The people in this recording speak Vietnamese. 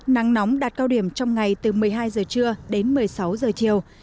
nắng nóng đạt cao điểm trong ngày từ một mươi hai giờ trưa đến một mươi sáu giờ chiều